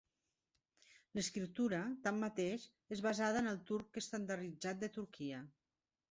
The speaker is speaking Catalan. L'escriptura, tanmateix, és basada en el turc estandarditzat de Turquia.